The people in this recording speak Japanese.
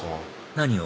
何を？